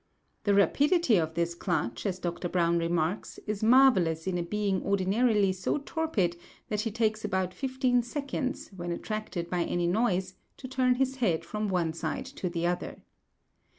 The rapidity of this clutch, as Dr. Browne remarks, is marvellous in a being ordinarily so torpid that he takes about fifteen seconds, when attracted by any noise, to turn his head from one side to the other.